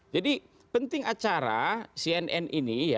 jadi penting acara cnn ini